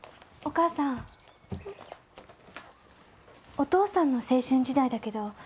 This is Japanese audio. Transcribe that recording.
お父さんの青春時代だけど。